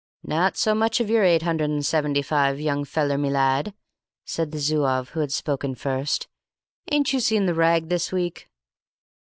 "Not so much of your eight hundred and seventy five, young feller me lad," said the Zouave who had spoken first. "Ain't you seen the rag this week?"